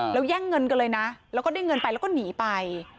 แล้วแย่งเงินกันเลยนะแล้วก็ได้เงินไปแล้วก็หนีไป